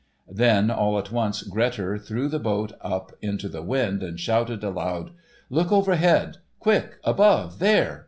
Then all at once Grettir threw the boat up into the wind, and shouted aloud: "Look overhead! Quick! Above there!